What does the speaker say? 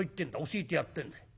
教えてやってんだ。